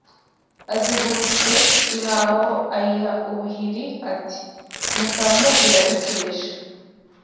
Azigurutse ihaho ayiha ubuhiri ati mutamu irarikesha